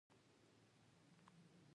خولۍ د افغاني میراث ساتونکې ده.